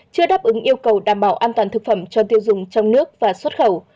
chưa đáp ứng yêu cầu đảm bảo an toàn thực phẩm cho tiêu dùng trong nước và xuất khẩu